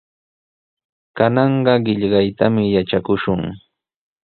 Kananqa qillqaytami yatrakushun.